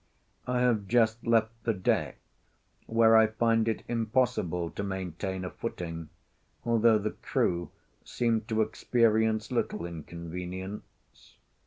I have just left the deck, where I find it impossible to maintain a footing, although the crew seem to experience little inconvenience.